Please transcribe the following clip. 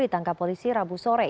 ditangkap polisi rabu sore